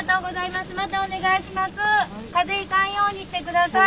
またお願いします。